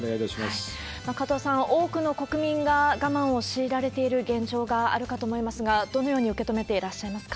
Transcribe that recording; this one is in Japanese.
加藤さん、多くの国民が我慢を強いられている現状があるかと思いますが、どのように受け止めていらっしゃいますか？